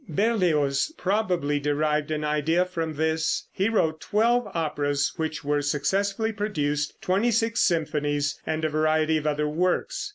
Berlioz probably derived an idea from this. He wrote twelve operas which were successfully produced, twenty six symphonies and a variety of other works.